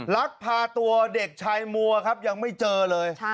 ลักพาตัวเด็กชายมัวครับยังไม่เจอเลย